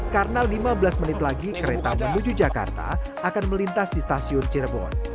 karena lima belas menit lagi kereta menuju jakarta akan melintas di stasiun cirebon